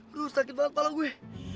aduh sakit banget malam gue